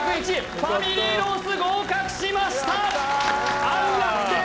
ファミリーロース合格しました安楽亭